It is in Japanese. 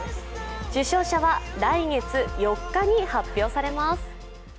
受賞者は来月４日に発表されます。